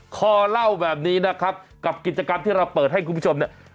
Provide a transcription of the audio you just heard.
ขอเล่าแบบนี้นะครับกับกิจกรรมที่เราเปิดให้คุณผู้ชมเนี่ย